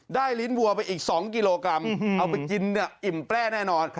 ลิ้นวัวไปอีก๒กิโลกรัมเอาไปกินอิ่มแปรแน่นอน